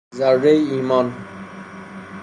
ذرهای ایمان